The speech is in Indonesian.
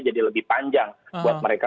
jadi lebih panjang buat mereka